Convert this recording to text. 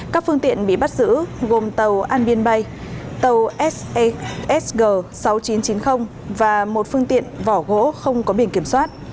các phương tiện bị bắt giữ gồm tàu an biên bay tàu seg sáu nghìn chín trăm chín mươi và một phương tiện vỏ gỗ không có biển kiểm soát